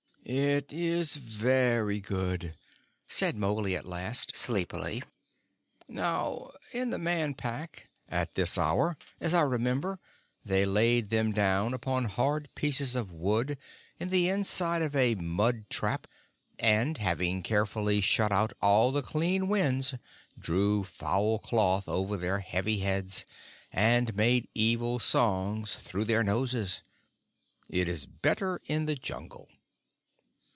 "It is very good," said Mowgli at last, sleepily. "Now, in the Man Pack, at this hour, as I remember, they laid them down upon hard pieces of wood in the inside of a mud trap, and, having carefully shut out all the clean winds, drew foul cloth over their heavy heads, and made evil songs through their noses. It is better in the Jungle."